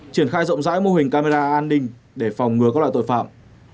triển khai rộng rãi mô hình camera an ninh để phòng ngừa các loại tội phạm